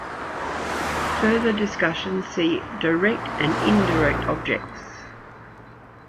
For further discussion, see 'Direct and indirect objects'.